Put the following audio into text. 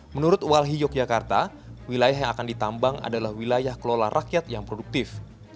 menurut walhi yogyakarta wilayah yang akan ditambang adalah wilayah kelola rakyat yang produktif